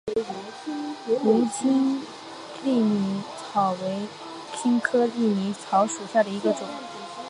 无茎粟米草为番杏科粟米草属下的一个种。